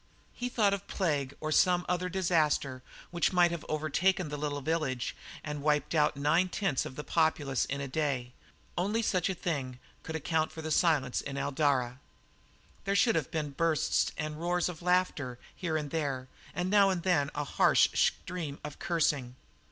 He thought of plague or some other disaster which might have overtaken the little village and wiped out nine tenths of the populace in a day. Only such a thing could account for silence in Eldara. There should have been bursts and roars of laughter here and there, and now and then a harsh stream of cursing.